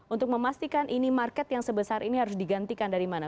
untuk memastikan ini market yang sebesar ini harus digantikan dari mana